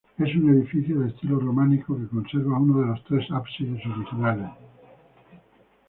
Es un edificio de estilo románico que conserva uno de los tres ábsides originales.